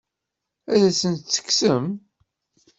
Ad asent-tt-tekksem?